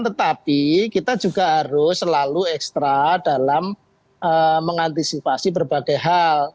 tetapi kita juga harus selalu ekstra dalam mengantisipasi berbagai hal